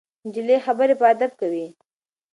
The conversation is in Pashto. نجلۍ خبرې په ادب کوي.